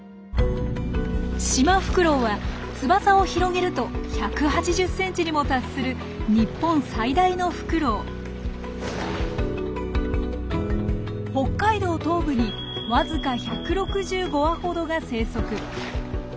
シマフクロウは翼を広げると１８０ｃｍにも達する北海道東部にわずか１６５羽ほどが生息。